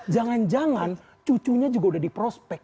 jangan jangan cucunya juga udah di prospek